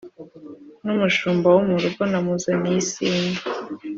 Numushumba wo murugo namuzaniye isinde